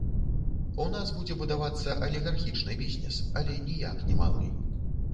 У нас будзе будавацца алігархічны бізнес, але ніяк не малы.